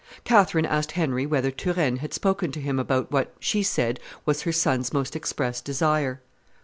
Catherine asked Henry whether Turenne had spoken to him about what, she said, was her son's most express desire.